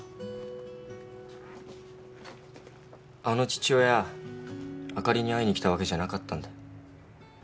あの父親あかりに会いに来たわけじゃなかったんだよ。